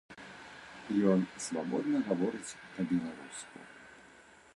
Ён свабодна гаворыць па-беларуску.